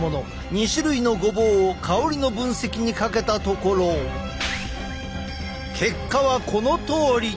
２種類のごぼうを香りの分析にかけたところ結果はこのとおり！